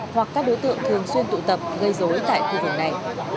hoặc các đối tượng thường xuyên tụ tập gây dối tại khu vực này